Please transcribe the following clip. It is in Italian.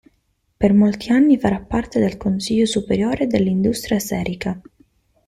Per molti anni farà parte del Consiglio superiore dell'industria serica.